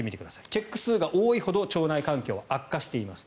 チェック数が多いほど腸内環境は悪化しています。